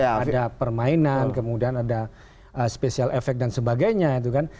ada permainan kemudian ada special effect dan sebagainya itu kan